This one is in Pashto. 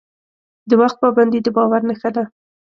د وخت پابندي د باور نښه ده.